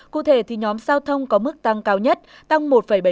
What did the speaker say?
cụ thể nhóm giao thông có mức tăng cao nhất tăng một bảy mươi hai